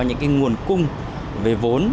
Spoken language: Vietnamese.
những cái nguồn cung về vốn